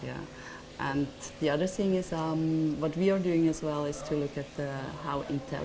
dan hal lainnya kita juga melihat mereka seberapa pintar